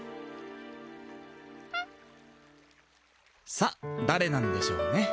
さあだれなんでしょうね。